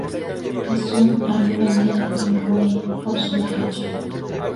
Es un afluente del río Oria por su derecha.